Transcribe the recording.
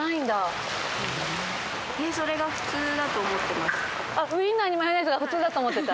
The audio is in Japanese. それが普通だと思ってました。